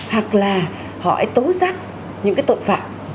hoặc là họ tố giác những tội phạm